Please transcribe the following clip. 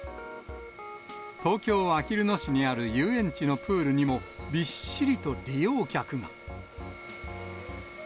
東京・あきる野市にある遊園地のプールにも、びっしりと利用客が。